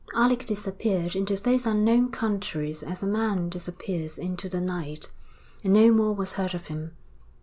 Alec disappeared into those unknown countries as a man disappears into the night, and no more was heard of him.